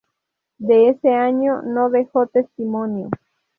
De ese año no dejó testimonio.